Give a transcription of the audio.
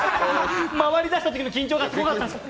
回り出したときの緊張がすごかったです。